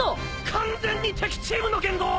完全に敵チームの言動！